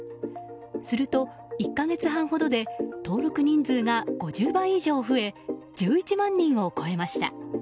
すると１か月半ほどで登録人数が５０倍以上増え１１万人を超えました。